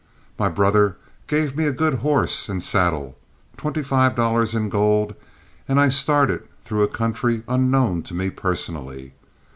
My brother gave me a good horse and saddle, twenty five dollars in gold, and I started through a country unknown to me personally.